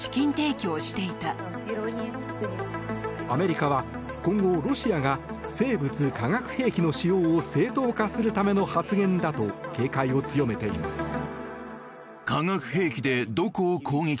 アメリカは、今後ロシアが生物・化学兵器の使用を正当化するための発言だと警戒を強めています。